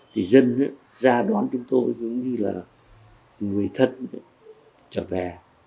thì dân ra đón chúng tôi cũng như là người thân trở về